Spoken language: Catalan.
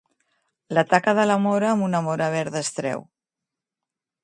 La taca de la mora amb una mora verda es treu.